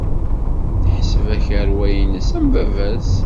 Teḥseb akerwa-nnes am baba-s.